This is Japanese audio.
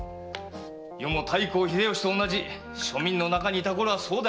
余も太閤秀吉と同じ庶民の中にいたころはそうであった。